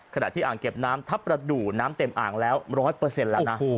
ขณะที่อ่างเก็บน้ำทัพประดูกน้ำเต็มอ่างแล้ว๑๐๐แล้วนะ